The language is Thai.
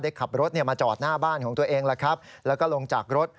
ได้ขับรถมาจอดหน้าบ้านของตัวเองแล้วก็ลงจากรถ